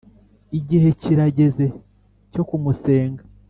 igihe kirageze cyo kumusenga